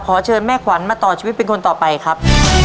เชิญแม่ขวัญมาต่อชีวิตเป็นคนต่อไปครับ